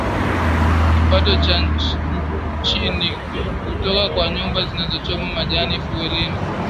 kipato cha chini hutoka kwa nyumba zinachoma majani fueli